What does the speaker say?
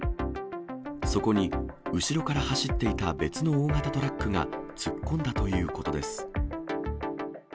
そこに後ろから走っていた別の大型トラックが突っ込んだということです。